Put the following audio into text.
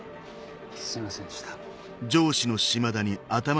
すみませんでした。